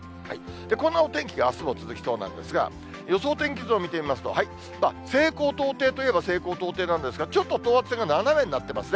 こんなお天気があすも続きそうなんですが、予想天気図を見てみますと、西高東低といえば西高東低なんですが、ちょっと等圧線が斜めになっていますね。